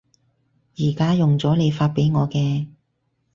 而家用咗你發畀我嘅